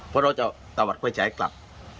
เราก็จะเอาตวัดค่อยใช้กลับ